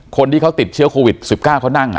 คนที่เขาติดเชื้อโควิด๑๙เขานั่ง